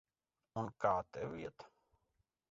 Un kā tev iet?